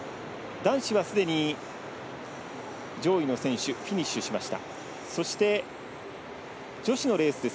男子はすでに上位の選手がフィニッシュしています。